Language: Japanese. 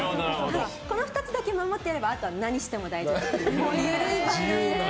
この２つだけ守っていればあとは何しても大丈夫です。